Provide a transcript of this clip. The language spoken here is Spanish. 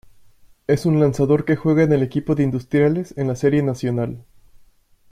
Es un lanzador que juega en el equipo de Industriales en la Serie Nacional.